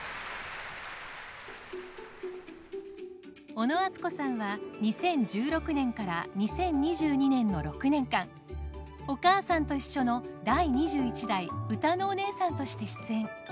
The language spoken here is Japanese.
小野あつこさんは２０１６年から２０２２年の６年間「おかあさんといっしょ」の第２１代歌のお姉さんとして出演。